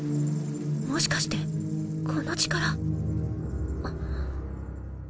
もしかしてこの力。